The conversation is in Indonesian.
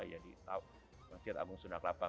jadi masjid agung sunda kelapa